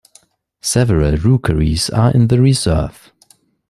Several rookeries are in the reserve.